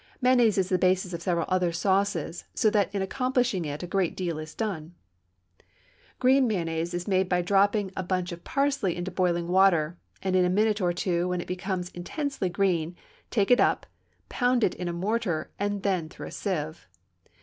Mayonnaise is the basis of several other sauces, so that in accomplishing it a great deal is done. Green mayonnaise is made by dropping a bunch of parsley into boiling water, and in a minute or two, when it becomes intensely green, take it up, pound it in a mortar, and then through a sieve.